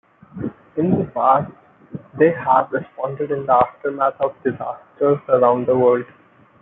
In the past they have responded in the aftermath of disasters around the world.